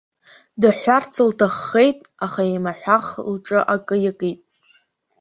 Дыҳәҳәарц лҭаххеит, аха еимаҳәах лҿы акы иакит.